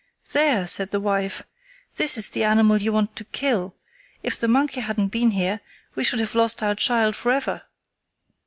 "There!" said the wife. "This is the animal you want to kill—if the monkey hadn't been here we should have lost our child forever."